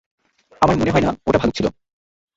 আমার মনে হয় না ওটা ভালুক ছিল।